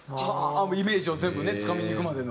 もうイメージを全部ねつかみにいくまでの。